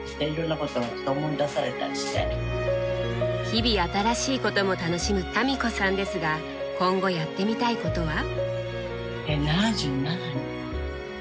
日々新しいことも楽しむ民子さんですが今後やってみたいことは？